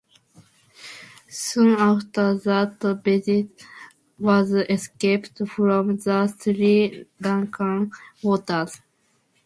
Soon after that vessel was escaped from the Sri Lankan waters.